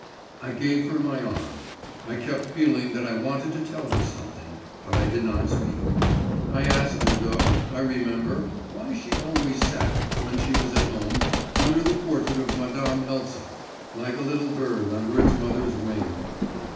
I gave her my arm. I kept feeling that I wanted to tell her something; but I did not speak. I asked her, though, I remember, why she always sat, when she was at home, under the portrait of Madame Eltsov, like a little bird under its mother's wing.